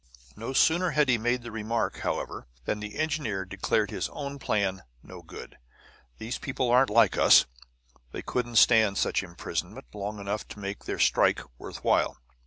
No sooner had he made the remark, however, than the engineer declared his own plan no good. "These people aren't like us; they couldn't stand such imprisonment long enough to make their 'strike' worth while."